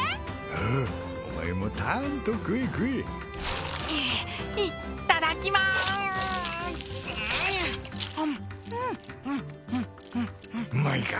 ああお前もたんと食え食えいっただきまーすうまいか？